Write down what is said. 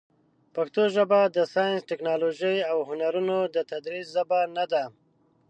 پښتو ژبه د ساینس، ټکنالوژۍ، او هنرونو د تدریس ژبه نه ده.